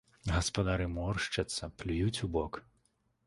Гаспадары моршчацца, плююць убок.